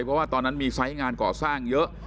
เพราะว่าตอนนั้นมีไซส์งานก่อสร้างเยอะ